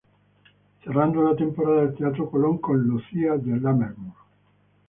Cerrando la temporada del Teatro Colón con "Lucia di Lammermoor".